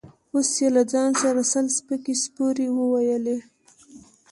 اوس يې له ځان سره سل سپکې سپورې وويلې.